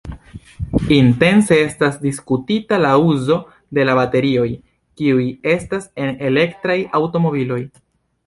Intense estas diskutita la uzo de la baterioj, kiuj estas en elektraj aŭtomobiloj.